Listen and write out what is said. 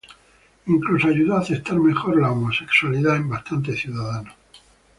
Incluso ayudó a aceptar mejor la homosexualidad en bastantes ciudadanos.